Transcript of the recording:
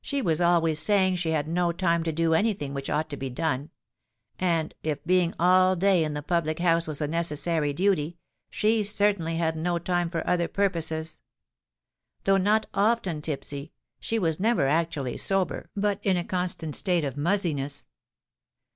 She was always saying she had no time to do any thing which ought to be done: and if being all day in the public house was a necessary duty, she certainly had no time for other purposes. Though not often tipsy, she was never actually sober—but in a constant state of muzziness.